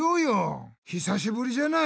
ひさしぶりじゃない？